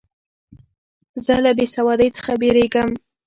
زه له بېسوادۍ څخه بېریږم.